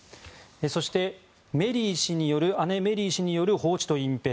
そして、姉のメリー氏による放置と隠蔽。